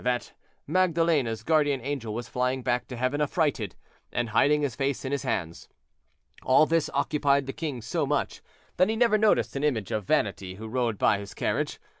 —that Magdalene's guardian angel was flying back to heaven affrighted, and hiding his face in his hands. All this occupied the king so much, that he never noticed an image of vanity who rode by his carriage.